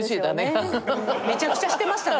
めちゃくちゃしてましたね